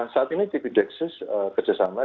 saat ini tp dexes kerjasama